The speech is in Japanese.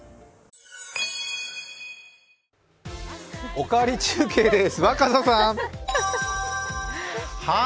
「おかわり中継」です若狭さん！